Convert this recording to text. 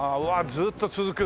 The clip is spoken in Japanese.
ずーっと続く！